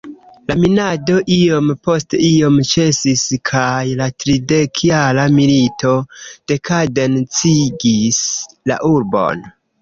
La minado iom post iom ĉesis kaj la "tridekjara milito" dekaden-cigis la urbon.